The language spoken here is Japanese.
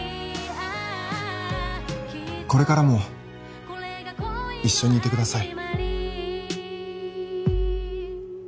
これからも一緒にいてください